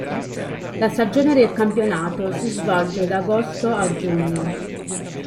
La stagione del campionato si svolge da agosto a giugno.